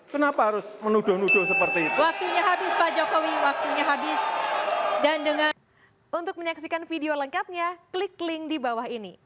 kenapa harus menuduh nuduh seperti itu